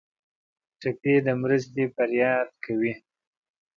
ټپي د مرستې فریاد کوي.